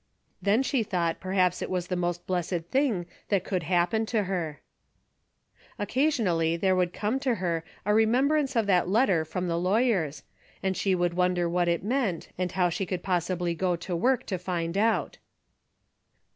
Then she thought perhaps it was the most blessed thing that could happen to her. Occasionally there would come to her a re membrance of that letter from the lawyers, and she would wonder what it meant, and how she could possibly go to work to find out.